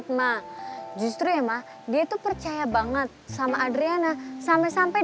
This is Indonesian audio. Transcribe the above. tidak akan gerak sama wadi